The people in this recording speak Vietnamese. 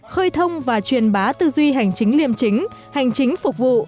khơi thông và truyền bá tư duy hành chính liêm chính hành chính phục vụ